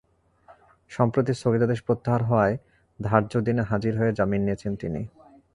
সম্প্রতি স্থগিতাদেশ প্রত্যাহার হওয়ায় ধার্য দিনে হাজির হয়ে জামিন নিয়েছেন তিনি।